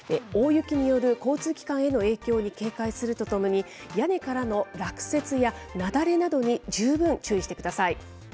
大雪による交通機関への影響に警戒するとともに、屋根からの落雪や、雪崩などに十分注意してください。